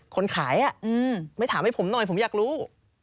คนขายไม่ถามให้ผมหน่อยผมอยากรู้